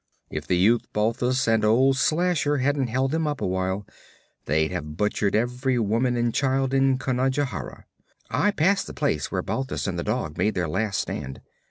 If the youth Balthus and old Slasher hadn't held them up awhile, they'd have butchered every woman and child in Conajohara. I passed the place where Balthus and the dog made their last stand.